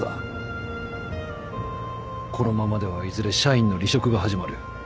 このままではいずれ社員の離職が始まる。